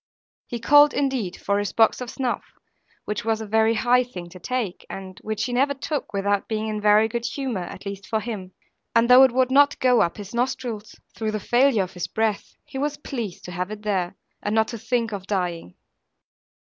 He called indeed for his box of snuff, which was a very high thing to take; and which he never took without being in very good humour, at least for him. And though it would not go up his nostrils, through the failure of his breath, he was pleased to have it there, and not to think of dying.